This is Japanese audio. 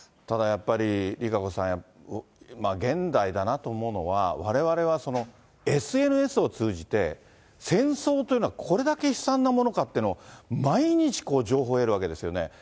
ただ、やっぱりＲＩＫＡＣＯさん、現代だなと思うのは、われわれはＳＮＳを通じて、戦争というのは、これだけ悲惨なものかというのを毎日、情報を得るわけですよね。